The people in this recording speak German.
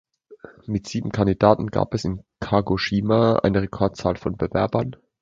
Mit sieben Kandidaten gab es in Kagoshima eine Rekordzahl von Bewerbern.